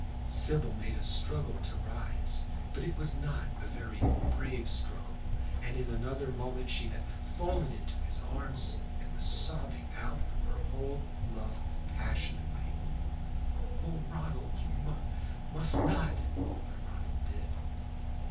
Sybil made a struggle to rise, but it was not a very brave struggle, and in another moment she had fallen into his arms and was sobbing out her whole love passionately. "Oh, Ronald, you mu must not!" But Ronald did.